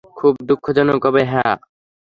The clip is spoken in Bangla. খুব দুঃখজনকভাবে, হ্যাঁ।